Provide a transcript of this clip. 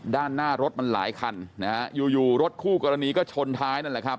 ด้านหน้ารถมันหลายคันนะฮะอยู่อยู่รถคู่กรณีก็ชนท้ายนั่นแหละครับ